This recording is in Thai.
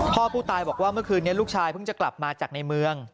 พ่อผู้ตายบอกว่าเมื่อคืนนี้ลูกชายเพิ่งจะกลับมาจากในเมือง